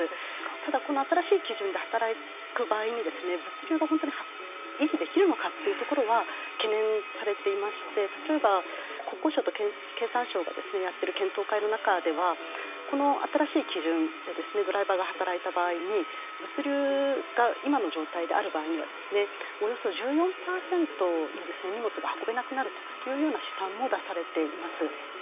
ただこの新しい基準で働く場合に物流が本当に維持できるのかというところは懸念されていまして例えば国交省と経産省がやってる検討会の中ではこの新しい基準でドライバーが働いた場合に物流が今の状態である場合にはおよそ１４％の荷物が運べなくなるというような試算も出されています。